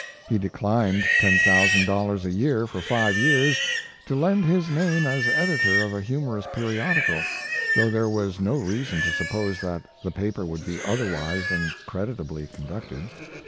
He declined ten thousand dollars a year for five years to lend his name as editor of a humorous periodical, though there was no reason to suppose that the paper would be otherwise than creditably conducted.